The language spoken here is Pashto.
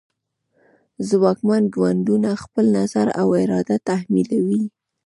ځواکمن ګوندونه خپل نظر او اراده تحمیلوي